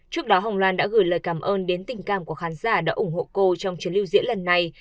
trước đó hồng loan đã gửi lời cảm ơn đến tình cảm của khán giả đã ủng hộ cô trong chuyến lưu diễn lần này